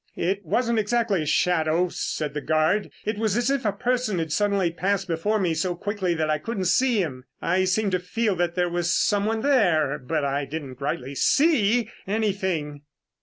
"It wasn't exactly a shadow," said the guard. "It was as if a person had passed suddenly before me so quickly that I couldn't see him. I seemed to feel that there was someone there, but I didn't rightly see anything."